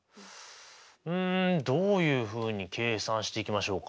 うんどういうふうに計算していきましょうか。